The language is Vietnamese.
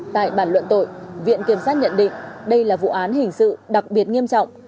tại bản luận tội viện kiểm sát nhận định đây là vụ án hình sự đặc biệt nghiêm trọng